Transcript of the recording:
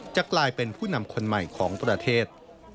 จะกลายเป็นผู้นำคนใหม่ของประเทศ